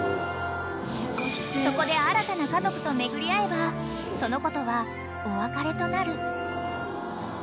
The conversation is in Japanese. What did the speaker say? ［そこで新たな家族と巡り合えばその子とはお別れとなる］